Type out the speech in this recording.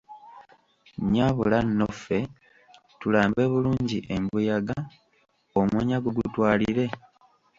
Nnyaabula nno ffe, tulambe bulungi embuyaga, omunyago gutwalire.